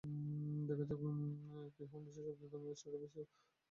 দেখা যাক, কে হোন বিশ্বের সবচেয়ে দামি স্টার্টআপের সিইও।